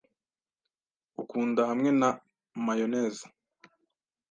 Ukunda hamwe na mayoneze?